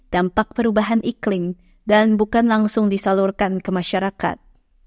dampak perubahan iklim dan bukan langsung disalurkan ke masyarakat